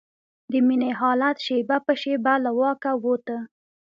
د مينې حالت شېبه په شېبه له واکه وته.